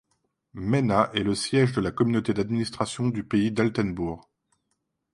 Mehna est le siège de la Communauté d'administration du pays d'Altenbourg.